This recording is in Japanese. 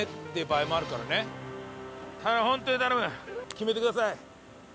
決めてください！